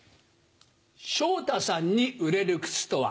昇太さんに売れる靴とは。